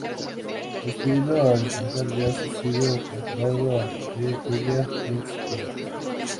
Su estilo al cantar jazz ha sido comparado al de Ella Fitzgerald.